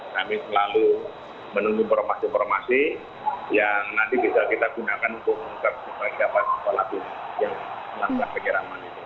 kami selalu menunggu informasi informasi yang nanti bisa kita gunakan untuk mengungkap apa yang berlaku yang melangkah pengiraman itu